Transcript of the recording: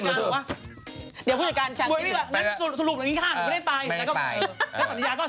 เดี๋ยวพูดจัดการจัดงี้